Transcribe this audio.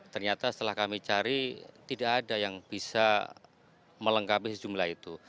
ternyata setelah kami cari tidak ada yang bisa melengkapi sejumlah itu